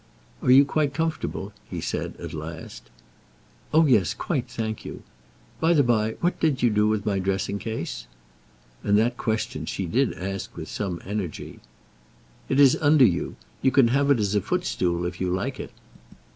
"Are you quite comfortable?" he said, at last. "Oh, yes, quite, thank you. By the by, what did you do with my dressing case?" And that question she did ask with some energy. "It is under you. You can have it as foot stool if you like it."